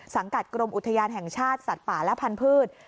สังกัดกรมอุทยานแห่งชาติสัตว์ป่าและพันธุ์พืช